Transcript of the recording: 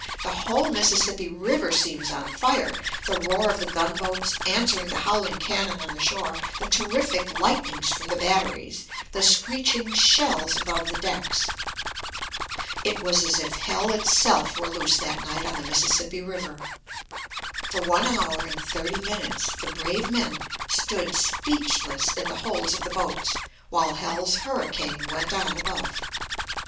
The whole Mississippi River seems on fire, the roar of the gunboats answering the howling cannon on the shore, the terrific lightnings from the batteries, the screeching shells above the decks. It was as if hell itself were loose that night on the Mississippi River. For one hour and thirty minutes the brave men stood speechless in the holds of the boats while hell's hurricane went on above.